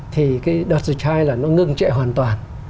thì cái đợt dịch hai là nó ngưng trệ hoàn toàn